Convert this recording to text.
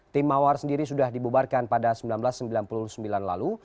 tim mawar sendiri sudah dibubarkan pada seribu sembilan ratus sembilan puluh sembilan lalu